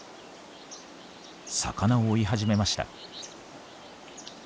魚を追い始めました。